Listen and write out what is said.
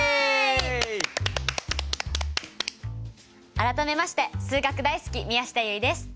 改めまして数学大好き宮下結衣です。